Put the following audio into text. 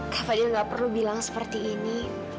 kak fadhil gak perlu bilang seperti ini